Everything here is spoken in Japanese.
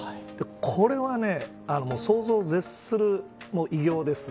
これは、もう想像を絶する偉業です。